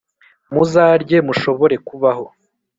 umuzarye mushobore kubaho,